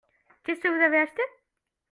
Qu'est-ce que vous avez acheté ?